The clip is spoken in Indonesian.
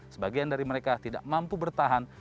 sebagian dari mereka tidak mampu bertahan